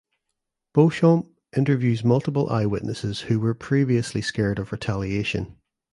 Beauchamp interviews multiple eyewitnesses who were previously scared of retaliation.